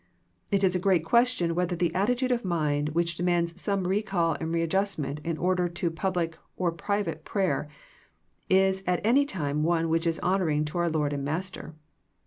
It is a great question whether the attitude of mind which demands some recall and readjustment in order to public or private prayer is at any time one which is honouring to our Lord and Master.